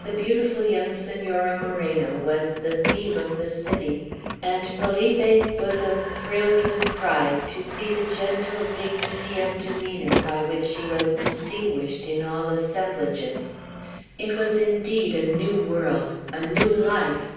The beautiful young Senora Moreno was the theme of the city; and Felipe's bosom thrilled with pride to see the gentle dignity of demeanor by which she was distinguished in all assemblages. It was indeed a new world, a new life.